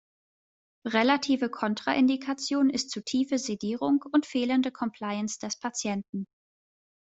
Relative Kontraindikation ist zu tiefe Sedierung und fehlende Compliance des Patienten.